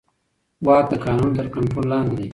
واک د قانون تر کنټرول لاندې دی.